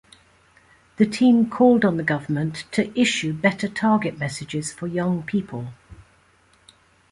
The team called on the government to issue better target messages for young people.